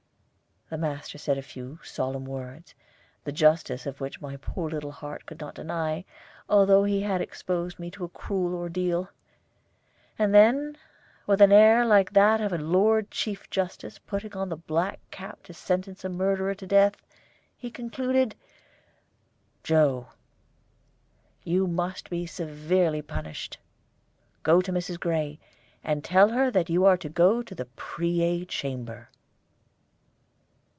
The master said a few solemn words, the justice of which my poor little heart could not deny, although he had exposed me to a cruel ordeal; and then, with an air like that of a Lord Chief Justice putting on the black cap to sentence a murderer to death, he concluded: "Joe, you must be severely punished. Go to Mrs. Gray, and tell her that you are to go to the Preay Chamber."